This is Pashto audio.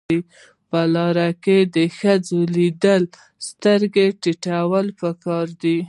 په لار کې د ښځې لیدل سترګې ټیټول پکار دي.